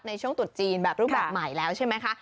ในช่วงตุดจีนแบบรูปแบบใหม่แล้วใช่ไหมคะ